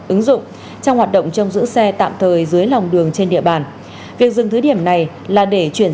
ứng dụng trong hoạt động trong giữ xe tạm thời dưới lòng đường trên địa bàn